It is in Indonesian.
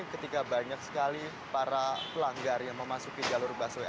ketika banyak sekali para pelanggar yang memasuki jalur busway